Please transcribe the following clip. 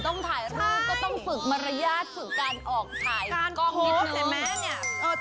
ก็ต้องฝึกมารยาทฝึกการออกถ่ายกล้องนิดนึง